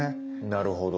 なるほど。